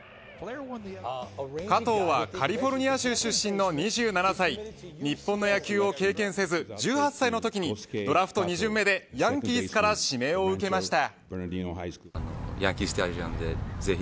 加藤はカリフォルニア州出身の２７歳日本の野球を経験せず１８歳のときにドラフト２巡目でヤンキースから指名を受けました。